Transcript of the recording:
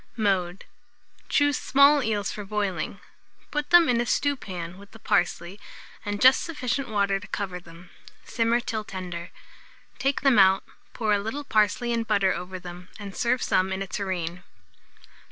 Mode. Choose small eels for boiling; put them in a stewpan with the parsley, and just sufficient water to cover them; simmer till tender. Take them out, pour a little parsley and butter over them, and serve some in a tureen.